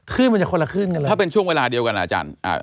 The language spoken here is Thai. มันจะคนละครึ่งกันเลยถ้าเป็นช่วงเวลาเดียวกันอ่ะอาจารย์